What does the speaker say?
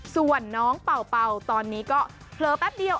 ส่วนน้องเป่าตอนนี้ก็เผลอแป๊บเดียว